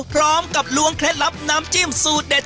พร้อมกับลวงเคล็ดลับน้ำจิ้มสูตรเด็ด